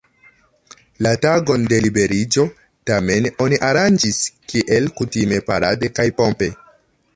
La tagon de liberiĝo, tamen, oni aranĝis kiel kutime parade kaj pompe.